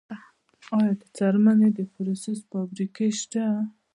آیا د څرمنې د پروسس فابریکې شته؟